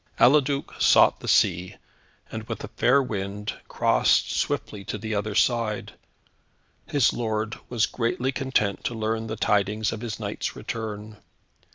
Eliduc sought the sea, and with a fair wind, crossed swiftly to the other side. His lord was greatly content to learn the tidings of his knight's return.